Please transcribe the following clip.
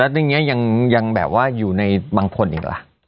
ตรงนี้ยังแบบว่าอยู่ในบางคนอีกเหรอ